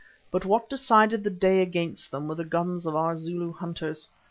But what decided the day against them were the guns of our Zulu hunters.